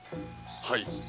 はい。